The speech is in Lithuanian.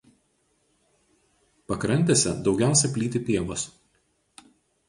Pakrantėse daugiausia plyti pievos.